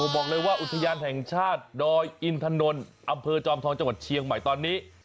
บอกเลยว่าอุทยานแห่งชาติดอยอินถนนอำเภอจอมทองจังหวัดเชียงใหม่ตอนนี้